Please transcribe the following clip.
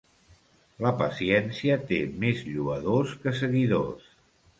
La paciència té més lloadors que seguidors.